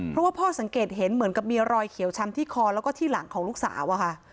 เพราะว่าพ่อสังเกตเห็นเหมือนกับมีรอยเขียวช้ำที่คอแล้วก็ที่หลังของลูกสาวอะค่ะ